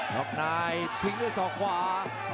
ล็อคไนท์ทิ้งด้วยส่อขวา